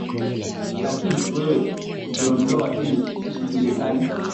lakini wewe kujiondoa ili usijulikane